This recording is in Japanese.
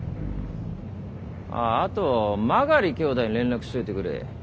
あっあとマガリ兄弟に連絡しといてくれ。